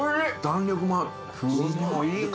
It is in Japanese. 弾力もある。